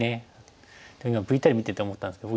ＶＴＲ見てて思ったんですけど